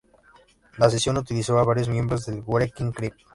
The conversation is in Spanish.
La sesión utilizó a varios miembros del Wrecking Crew.